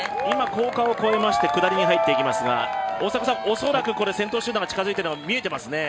降下を越えまして下りに入ってきましたが恐らく、先頭集団が近づいているのが見えていますね。